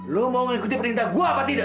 lu mau mengikuti perintah gua apa tidak